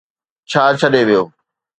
ڇا ڇڏي ويو.